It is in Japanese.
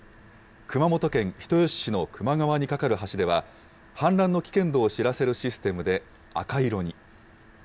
熊本県人吉市の球磨川に架かる橋では、氾濫の危険度を知らせるシステムで赤色に。